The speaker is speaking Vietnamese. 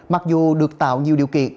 mặc dù được tạo nhiều điều kiện